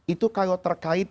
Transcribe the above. itu kalau terkait